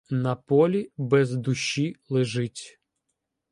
На полі без душі лежить.